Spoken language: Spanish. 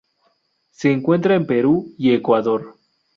Se encuentra en Perú y Ecuador.